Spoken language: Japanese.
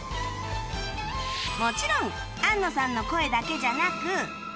もちろん安野さんの声だけじゃなく